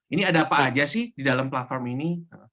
ini ada apa aja sih di dalam platform ini